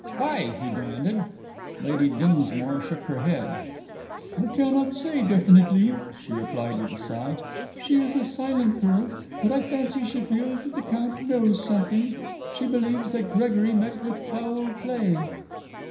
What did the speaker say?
"Why?" he demanded. Lady Dinsmore shook her head. "I cannot say, definitely," she replied, with a sigh. "She is a silent girl. But I fancy she feels that the Count knows something she believes that Gregory met with foul play."